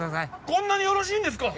こんなによろしいんですか！？